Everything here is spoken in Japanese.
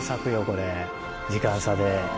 これ時間差で。